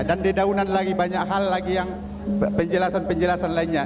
dan di daunan lagi banyak hal lagi yang penjelasan penjelasan lainnya